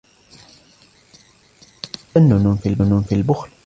تفنن في البخل